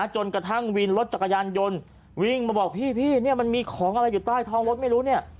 จนกระทั่งวินรถจักรยานยนต์วิ่งมาบอกพี่เนี่ยมันมีของอะไรอยู่ใต้ท้องรถไม่รู้เนี่ย